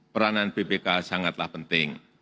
peranan bpk sangat penting